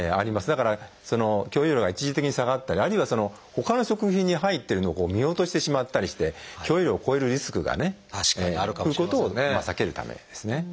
だから許容量が一時的に下がったりあるいはほかの食品に入ってるのを見落としてしまったりして許容量を超えるリスクがねということを避けるためですね。